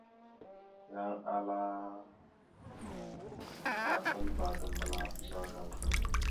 Yan ala təkatalba dambəla a ɓəzagaam a.